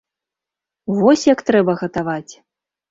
Вось як трэба гатаваць!